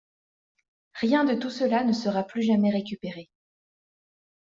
Rien de tout cela ne sera plus jamais récupéré.